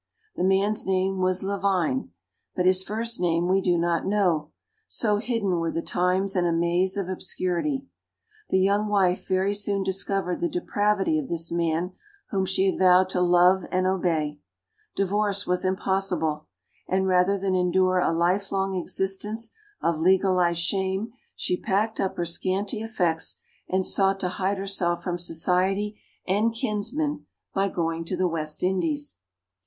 The man's name was Lavine, but his first name we do not know, so hidden were the times in a maze of obscurity. The young wife very soon discovered the depravity of this man whom she had vowed to love and obey; divorce was impossible; and rather than endure a lifelong existence of legalized shame, she packed up her scanty effects and sought to hide herself from society and kinsmen by going to the West Indies.